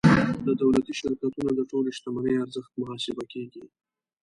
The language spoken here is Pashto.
د دولتي شرکتونو د ټولې شتمنۍ ارزښت محاسبه کیږي.